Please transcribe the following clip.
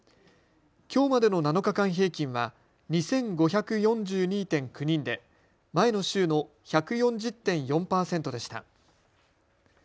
きょうまでの７日間平均は２５４２．９人で前の週の１４０．４％でした。